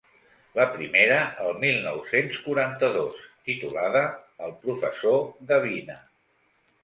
La primera, el mil nou-cents quaranta-dos, titulada El professor gavina.